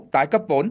tái cấp vốn